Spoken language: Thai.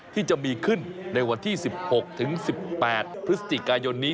ที่จะมีขึ้นในวันที่๑๖ถึง๑๘พฤศจิกายนนี้